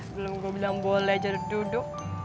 sebelum gue bilang boleh aja duduk